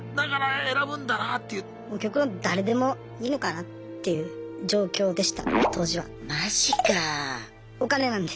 極論誰でもいいのかなっていう状況でした当時は。